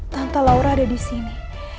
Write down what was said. tanpa laura ada di sini